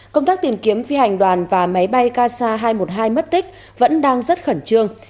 công tác tìm kiếm phi hành đoàn và máy bay ksa hai trăm một mươi hai mất tích vẫn đang rất khẩn trương